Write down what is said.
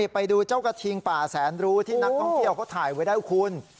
ไปดูเจ้ากระทิงป่าแสนรู้ที่นักท่องเที่ยวเขาถ่ายไว้ได้คุณ